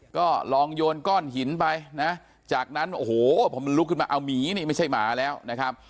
ก็ลองโยนก้อนหินไปนะจากนั้นโอ้โหพอมันลุกขึ้นมาเอาหมีนี่ไม่ใช่หมาแล้วนะครับ